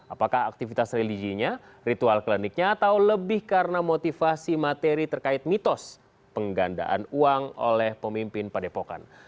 apakah aktivitas religinya ritual kliniknya atau lebih karena motivasi materi terkait mitos penggandaan uang oleh pemimpin padepokan